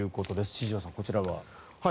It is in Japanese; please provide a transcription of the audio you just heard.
千々岩さん、こちらは。